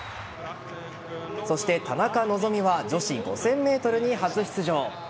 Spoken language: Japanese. そして、田中希実は女子５０００ｍに初出場。